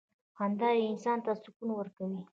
• خندا انسان ته سکون ورکوي.